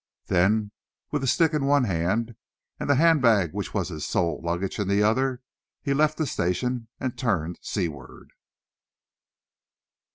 Then, with a stick in one hand, and the handbag which was his sole luggage in the other, he left the station and turned seaward.